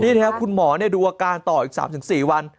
นี่นะครับคุณหมอดูอาการต่ออีก๓๔วัน